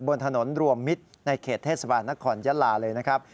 บนถนนรวมมิตรในเขตเทศบาลนครยะลาเลยนะครับ